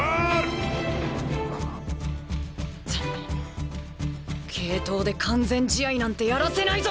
心の声継投で完全試合なんてやらせないぞ！